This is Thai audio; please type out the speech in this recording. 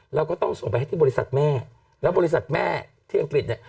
เราก็ต้องส่งไปให้ที่บริษัทแม่แล้วบริษัทแม่ที่อังกฤษเนี่ย